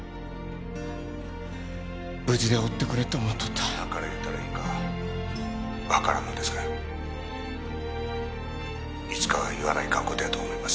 無事でおってくれって思っとった何から言うたらいいんか分からんのですがいつかは言わないかんことやと思います